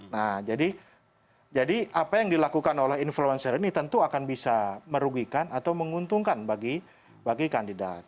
nah jadi apa yang dilakukan oleh influencer ini tentu akan bisa merugikan atau menguntungkan bagi kandidat